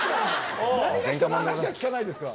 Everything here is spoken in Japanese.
人の話は聞かないですから。